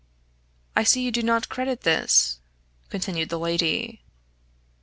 "I see you do not credit this," continued the lady.